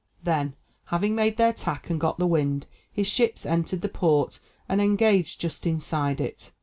Then, having made their tack and got the wind, his ships entered the port and engaged just inside it.